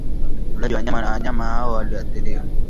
ulaji wa nyama ya wanyama hao walioathiriwa